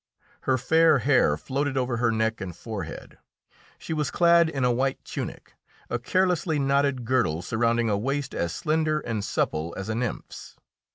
Her fair hair floated over her neck and forehead. She was clad in a white tunic, a carelessly knotted girdle surrounding a waist as slender and supple as a nymph's.